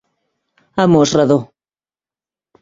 A mos redó.